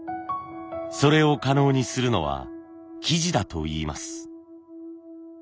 それを可能にするのは素地だといいます。